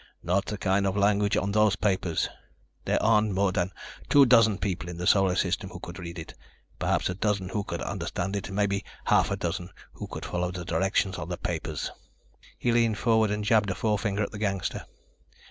"Not the kind of language on those papers. There aren't more than two dozen people in the Solar System who could read it, perhaps a dozen who could understand it, maybe half a dozen who could follow the directions in the papers." He leaned forward and jabbed a forefinger at the gangster.